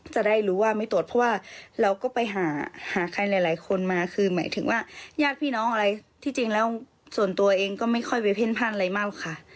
จะได้รู้ว่าไม่ตรวจเพราะว่าเราก็ไปหาหาใครหลายคนมาคือหมายถึงว่าญาติพี่น้องอะไรที่จริงแล้วส่วนตัวเองก็ไม่ค่อยไปเพ่นพ่านอะไรมากค่ะ